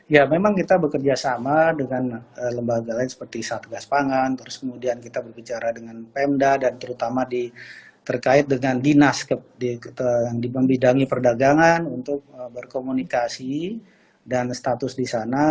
ya memang kita bekerja sama dengan lembaga lain seperti satgas pangan terus kemudian kita berbicara dengan pemda dan terutama terkait dengan dinas yang di membidangi perdagangan untuk berkomunikasi dan status di sana